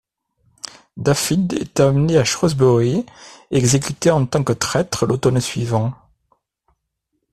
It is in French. Dafydd est emmené à Shrewsbury et exécuté en tant que traître l'automne suivant.